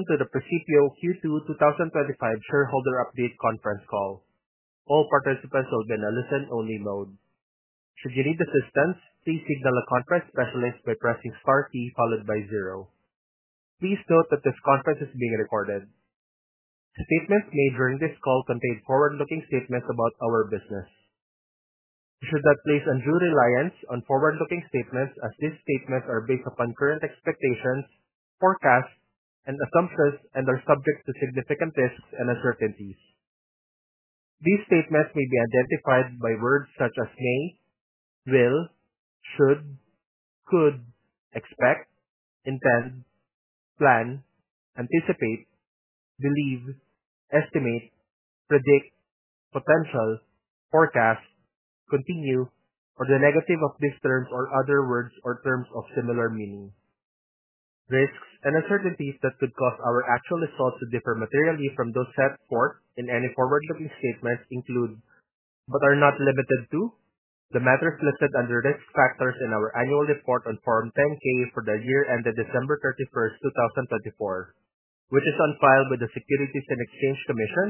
Welcome to the Precipio Q2 2025 shareholder update conference call. All participants will be in a listen-only mode. Should you need assistance, please signal a conference specialist by pressing the star key followed by zero. Please note that this conference is being recorded. The statements made during this call contain forward-looking statements about our business. We should not place undue reliance on forward-looking statements as these statements are based upon current expectations, forecasts, and are subject to significant risks and uncertainties. These statements may be identified by words such as may, will, should, could, expect, intend, plan, anticipate, believe, estimate, predict, potential, forecast, continue, or the negative of these terms or other words or terms of similar meaning. Risks and uncertainties that could cause our actual results to differ materially from those set forth in any forward-looking statements include, but are not limited to, the matters listed under Risk Factors in our annual report on Form 10-K for the year ended December 31st, 2024, which is on file with the Securities and Exchange Commission,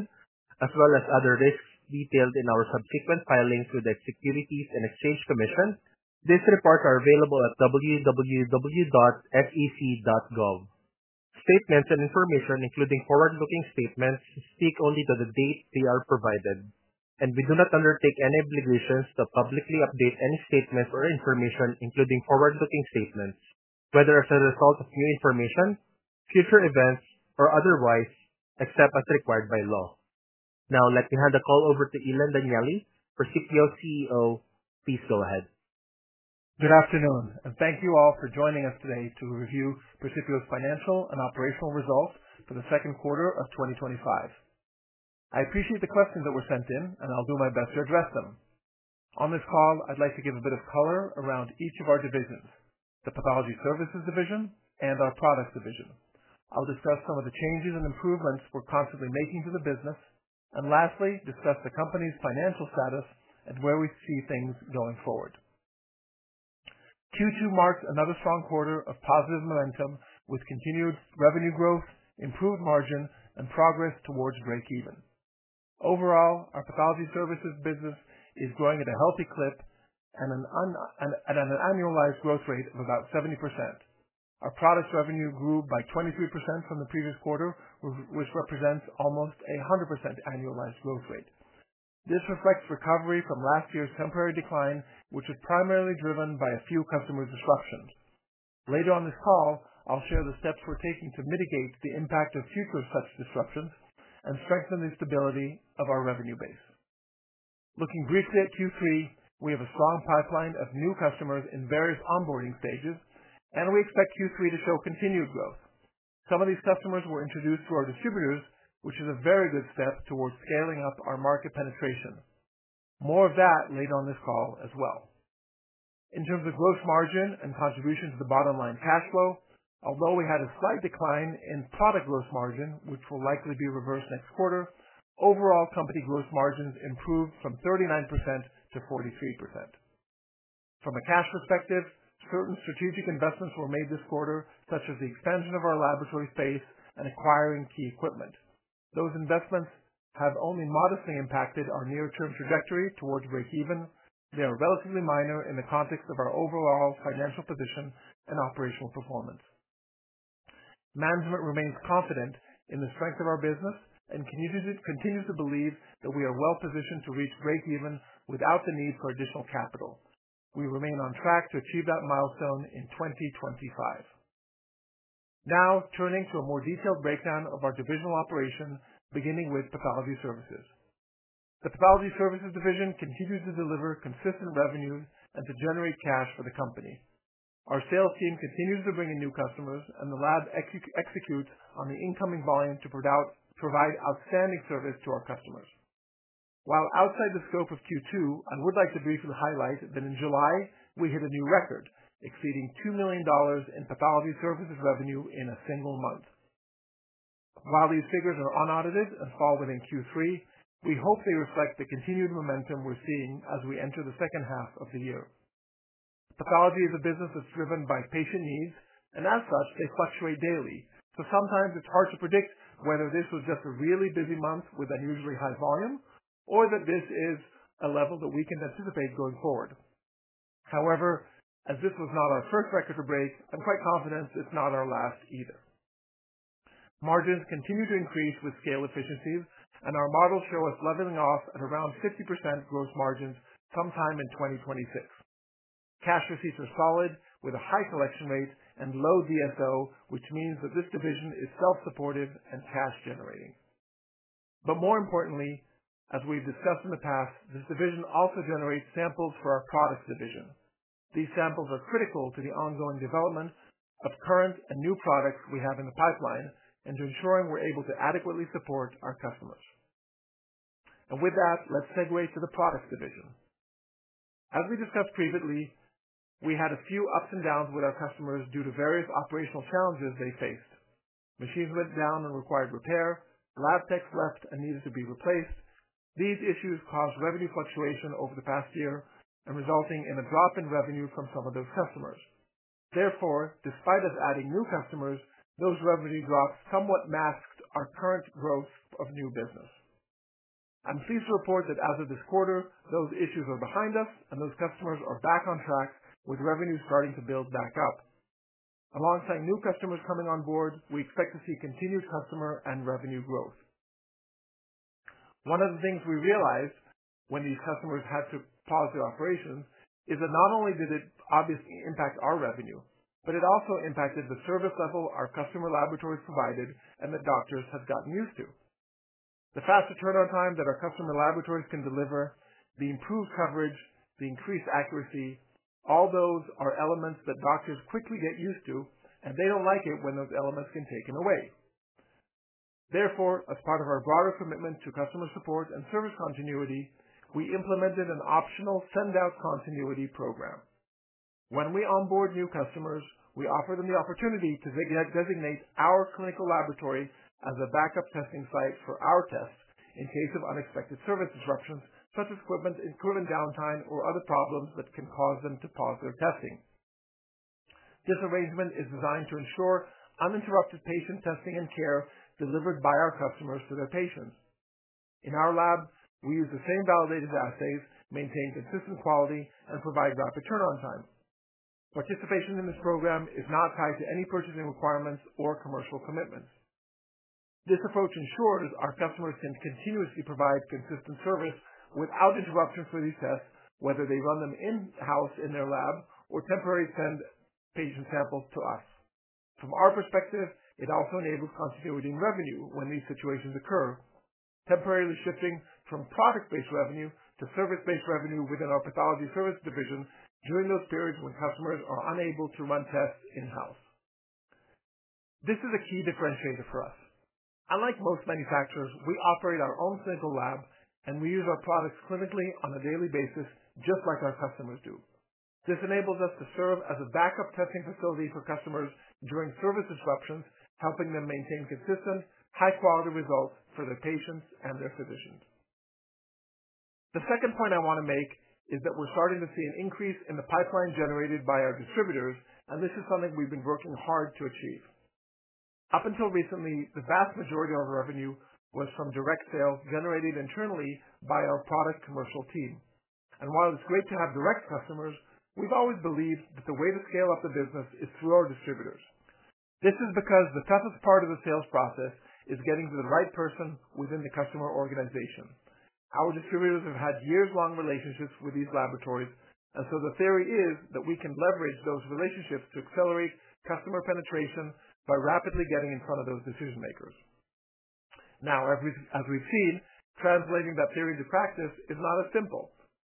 as well as other risks detailed in our subsequent filings with the Securities and Exchange Commission. These reports are available at www.sec.gov. Statements and information, including forward-looking statements, speak only to the date they are provided, and we do not undertake any obligations to publicly update any statements or information, including forward-looking statements, whether as a result of new information, future events, or otherwise, except as required by law. Now, I'd like to hand the call over to Ilan Danieli, Precipio's CEO. Please go ahead. Good afternoon, and thank you all for joining us today to review Precipio's financial and operational results for the second quarter of 2025. I appreciate the questions that were sent in, and I'll do my best to address them. On this call, I'd like to give a bit of color around each of our divisions: the Pathology Services Division and our Products Division. I'll discuss some of the changes and improvements we're constantly making to the business, and lastly, discuss the company's financial status and where we see things going forward. Q2 marks another strong quarter of positive momentum with continued revenue growth, improved margin, and progress towards break-even. Overall, our Pathology Services business is growing at a healthy clip and at an annualized growth rate of about 70%. Our Products revenue grew by 23% from the previous quarter, which represents almost a 100% annualized growth rate. This reflects recovery from last year's temporary decline, which was primarily driven by a few customer disruptions. Later on this call, I'll share the steps we're taking to mitigate the impact of future such disruptions and strengthen the stability of our revenue base. Looking briefly at Q3, we have a strong pipeline of new customers in various onboarding stages, and we expect Q3 to show continued growth. Some of these customers were introduced through our distributors, which is a very good step towards scaling up our market penetration. More of that later on this call as well. In terms of gross margin and contribution to the bottom line cash flow, although we had a slight decline in product gross margin, which will likely be reversed next quarter, overall company gross margins improved from 39%-43%. From a cash perspective, certain strategic investments were made this quarter, such as the expansion of our laboratory space and acquiring key equipment. Those investments have only modestly impacted our near-term trajectories towards break-even, though relatively minor in the context of our overall financial position and operational performance. Management remains confident in the strength of our business and continues to believe that we are well-positioned to reach break-even without the need for additional capital. We remain on track to achieve that milestone in 2025. Now, turning to a more detailed breakdown of our divisional operations, beginning with Pathology Services. The Pathology Services Division continues to deliver consistent revenue and to generate cash for the company. Our sales team continues to bring in new customers, and the lab executes on the incoming volume to provide outstanding service to our customers. While outside the scope of Q2, I would like to briefly highlight that in July, we hit a new record, exceeding $2 million in Pathology Services revenue in a single month. While these figures are unaudited and fall within Q3, we hope they reflect the continued momentum we're seeing as we enter the second half of the year. Pathology is a business that's driven by patient needs, and as such, they fluctuate daily. Sometimes it's hard to predict whether this was just a really busy month with unusually high volume or that this is a level that we can anticipate going forward. However, as this was not our first record to break, I'm quite confident it's not our last either. Margins continue to increase with scale efficiencies, and our models show us leveling off at around 50% gross margins sometime in 2026. Cash receipts are solid, with a high collection rate and low DSO, which means that this division is self-supportive and cash generating. More importantly, as we've discussed in the past, this division also generates samples for our Products Division. These samples are critical to the ongoing developments of current and new products we have in the pipeline and to ensuring we're able to adequately support our customers. With that, let's segue to the Products Division. As we discussed previously, we had a few ups and downs with our customers due to various operational challenges they faced. Machines went down and required repair, lab techs left and needed to be replaced. These issues caused revenue fluctuation over the past year and resulted in a drop in revenue from some of those customers. Therefore, despite us adding new customers, those revenue drops somewhat masked our current growth of new business. I'm pleased to report that as of this quarter, those issues are behind us and those customers are back on track with revenues starting to build back up. Alongside new customers coming on board, we expect to see continued customer and revenue growth. One of the things we realized when these customers had to pause their operations is that not only did it obviously impact our revenue, it also impacted the service level our customer laboratories provided and that doctors have gotten used to. The faster turnaround time that our customer laboratories can deliver, the improved coverage, the increased accuracy, all those are elements that doctors quickly get used to, and they don't like it when those elements get taken away. Therefore, as part of our broader commitment to customer support and service continuity, we implemented an optional send-out continuity program. When we onboard new customers, we offer them the opportunity to designate our clinical laboratory as a backup testing site for our tests in case of unexpected service disruptions, such as equipment in downtime or other problems that can cause them to pause their testing. This arrangement is designed to ensure uninterrupted patient testing and care delivered by our customers to their patients. In our lab, we use the same validated assays, maintain consistent quality, and provide rapid turnaround time. Participation in this program is not tied to any purchasing requirements or commercial commitments. This approach ensures our customers can continuously provide consistent service without interruptions for these tests, whether they run them in-house in their lab or temporarily send patient samples to us. From our perspective, it also enables continuity in revenue when these situations occur, temporarily shifting from product-based revenue to service-based revenue within our Pathology Services Division during those periods when customers are unable to run tests in-house. This is a key differentiator for us. Unlike most manufacturers, we operate our own clinical lab, and we use our products clinically on a daily basis, just like our customers do. This enables us to serve as a backup testing facility for customers during service disruptions, helping them maintain consistent, high-quality results for their patients and their physicians. The second point I want to make is that we're starting to see an increase in the pipeline generated by our distributors, and this is something we've been working hard to achieve. Up until recently, the vast majority of our revenue was from direct sales generated internally by our product commercial team. While it's great to have direct customers, we've always believed that the way to scale up the business is through our distributors. This is because the toughest part of the sales process is getting to the right person within the customer organization. Our distributors have had years-long relationships with these laboratories, and the theory is that we can leverage those relationships to accelerate customer penetration by rapidly getting in front of those decision-makers. As we've seen, translating that theory to practice is not as simple.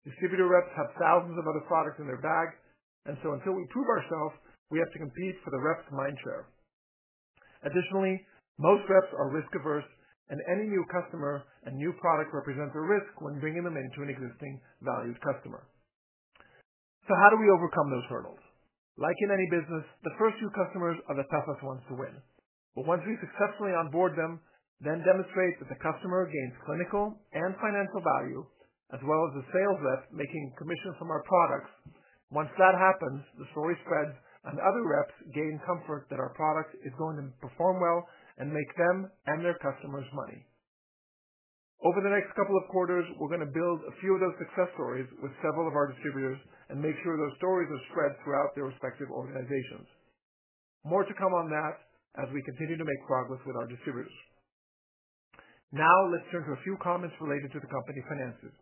Distributor reps have thousands of other products in their bag, and until we prove ourselves, we have to compete for the rep's mind share. Additionally, most reps are risk-averse, and any new customer and new product represents a risk when bringing them into an existing valued customer. How do we overcome those hurdles? Like in any business, the first few customers are the toughest ones to win. Once we successfully onboard them, then demonstrate that the customer gains clinical and financial value, as well as the sales rep making commissions from our products. Once that happens, the story spreads, and other reps gain comfort that our product is going to perform well and make them and their customers money. Over the next couple of quarters, we're going to build a few of those success stories with several of our distributors and make sure those stories are spread throughout their respective organizations. More to come on that as we continue to make progress with our distributors. Now, let's turn to a few comments related to the company finances.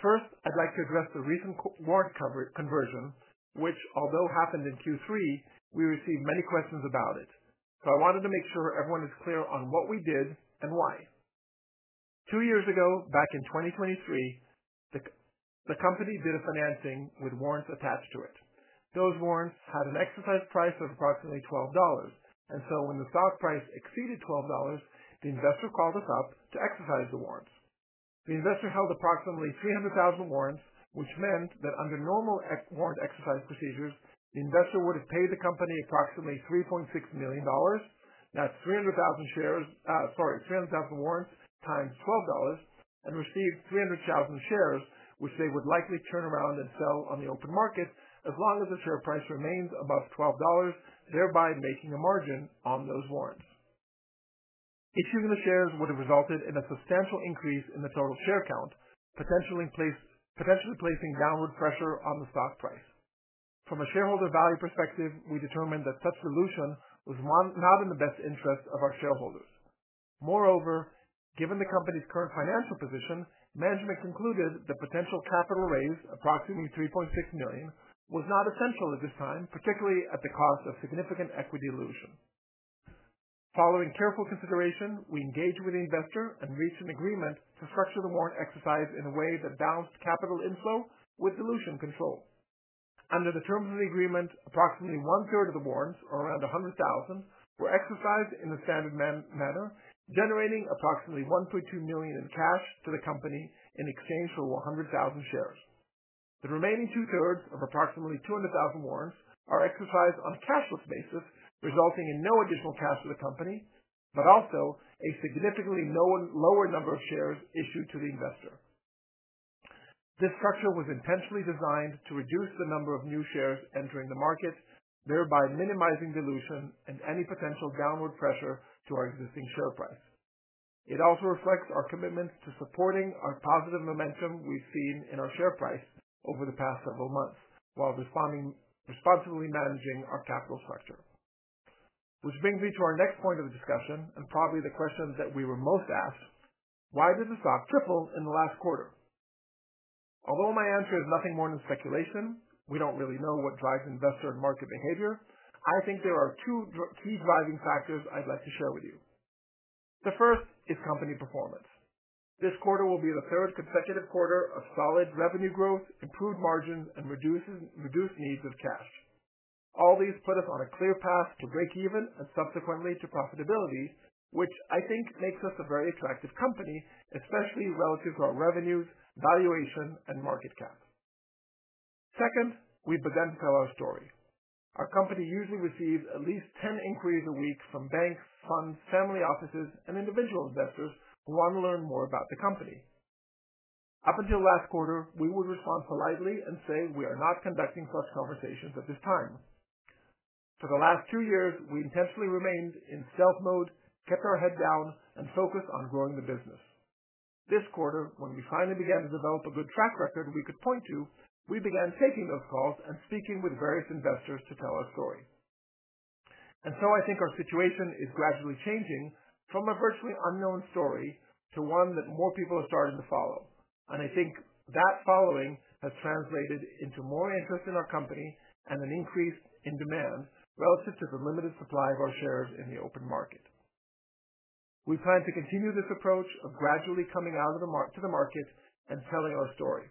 First, I'd like to address the recent warrant conversion, which although happened in Q3, we received many questions about it. I wanted to make sure everyone is clear on what we did and why. Two years ago, back in 2023, the company did financing with warrants attached to it. Those warrants had an exercise price of approximately $12. When the stock price exceeded $12, the investor called us up to exercise the warrants. The investor held approximately 300,000 warrants, which meant that under normal warrant exercise procedures, the investor would have paid the company approximately $3.6 million. That's 300,000 shares, sorry, 300,000 warrants times $12, and received 300,000 shares, which they would likely turn around and sell on the open market as long as the share price remains above $12, thereby making a margin on those warrants. Issuing the shares would have resulted in a substantial increase in the total share count, potentially placing downward pressure on the stock price. From a shareholder value perspective, we determined that such a solution was not in the best interest of our shareholders. Moreover, given the company's current financial position, management concluded that potential capital raise, approximately $3.6 million, was not essential at this time, particularly at the cost of significant equity dilution. Following careful consideration, we engaged with the investor and reached an agreement to structure the warrant exercise in a way that balanced capital inflow with dilution control. Under the terms of the agreement, approximately one-third of the warrants, around 100,000, were exercised in a standard manner, generating approximately $1.2 million in cash to the company in exchange for 100,000 shares. The remaining two-thirds of approximately 200,000 warrants are exercised on a cashless basis, resulting in no additional cash to the company, but also a significantly lower number of shares issued to the investor. This structure was intentionally designed to reduce the number of new shares entering the market, thereby minimizing dilution and any potential downward pressure to our existing share price. It also reflects our commitment to supporting our positive momentum we've seen in our share price over the past several months while responsibly managing our capital structure. This brings me to our next point of discussion and probably the question that we were most asked: why did the stock triple in the last quarter? Although my answer is nothing more than speculation, we don't really know what drives investor and market behavior. I think there are two key driving factors I'd like to share with you. The first is company performance. This quarter will be the third consecutive quarter of solid revenue growth, improved margins, and reduced needs of cash. All these put us on a clear path to break-even and subsequently to profitability, which I think makes us a very attractive company, especially relative to our revenues, valuation, and market cap. Second, we've begun to tell our story. Our company usually receives at least 10 inquiries a week from banks, funds, family offices, and individual investors who want to learn more about the company. Up until last quarter, we would respond politely and say we are not conducting such conversations at this time. For the last two years, we intentionally remained in stealth mode, kept our head down, and focused on growing the business. This quarter, when we finally began to develop a good track record we could point to, we began taking those calls and speaking with various investors to tell our story. I think our situation is gradually changing from a virtually unknown story to one that more people are starting to follow. I think that following has translated into more interest in our company and an increase in demand relative to the limited supply of our shares in the open market. We plan to continue this approach of gradually coming out of the market and telling our story.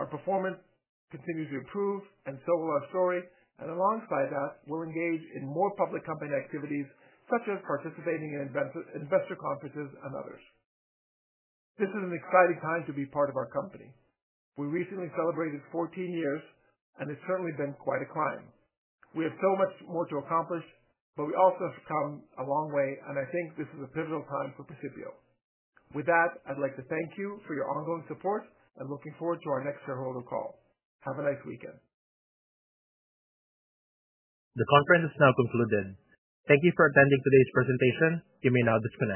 Our performance continues to improve, and so will our story. Alongside that, we'll engage in more public company activities, such as participating in investor conferences and others. This is an exciting time to be part of our company. We recently celebrated 14 years, and it's certainly been quite a climb. We have so much more to accomplish, but we also have come a long way, and I think this is a pivotal time for Precipio. With that, I'd like to thank you for your ongoing support and looking forward to our next shareholder call. Have a nice weekend. The conference is now concluded. Thank you for attending today's presentation. You may now disconnect.